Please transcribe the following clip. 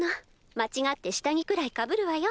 間違って下着くらいかぶるわよ。